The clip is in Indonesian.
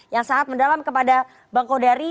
yang sangat mendalam kepada bang kodari